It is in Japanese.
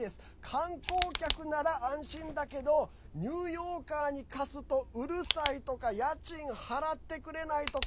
観光客なら安心だけどニューヨーカーに貸すとうるさいとか家賃払ってくれないとか